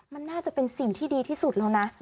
มันน่าจะเป็นสิ่งที่ดีที่สุดแล้วนะ